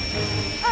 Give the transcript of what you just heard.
あっ！